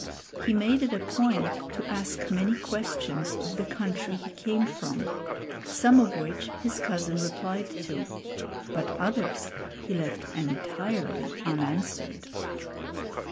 He made it a point to ask many questions of the country he came from; some of which his cousin replied to, but others he left entirely unanswered.